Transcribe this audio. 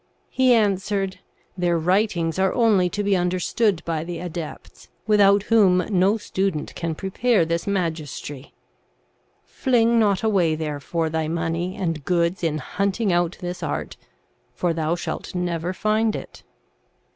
He answered, 'Their writings are only to be understood by the adepts, without whom no student can prepare this magistery. Fling not away, therefore, thy money and goods in hunting out this art, for thou shalt never find it.'